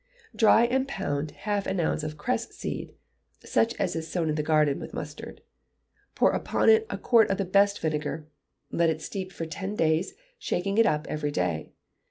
Dry and pound half an ounce of cress seed (such as is sown in the garden with mustard), pour upon it a quart of the best vinegar, let it steep for ten days, shaking it up every day.